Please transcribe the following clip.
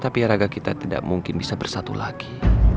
tapi raga kita tidak mungkin bisa bersatu lagi